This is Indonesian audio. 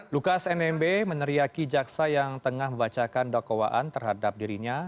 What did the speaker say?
lukas nmb meneriaki jaksa yang tengah membacakan dakwaan terhadap dirinya